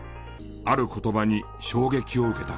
ある言葉に衝撃を受けた。